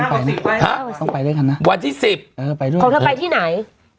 วันที่สิบดูของพี่ผมนัดได้ด้วยพี่ของเธอไปที่ไหน